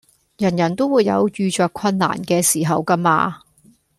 人人都會有遇著困難嘅時候㗎嘛